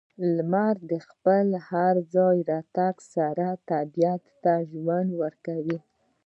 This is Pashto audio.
•لمر د خپل هر ځل راتګ سره طبیعت ته ژوند ورکوي.